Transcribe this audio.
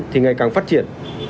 thì ngày càng phát triển